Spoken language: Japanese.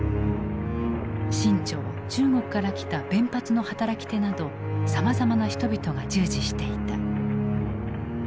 清朝中国から来た辮髪の働き手などさまざまな人々が従事していた。